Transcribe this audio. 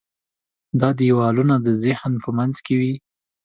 دا دیوالونه د ذهن په منځ کې وي.